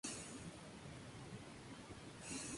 Se disputará antes de comenzar la temporada, en el mes de enero.